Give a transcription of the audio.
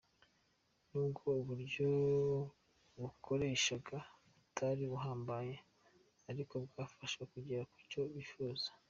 Nubwo uburyo bakoreshaga butari buhambaye ariko bwabafasha kugera ku cyo bifuza.